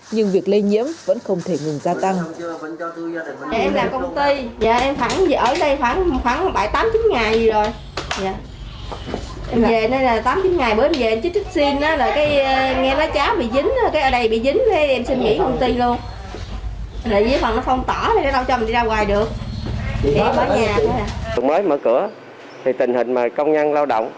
nhưng việc lây nhiễm vẫn không thể ngừng gia tăng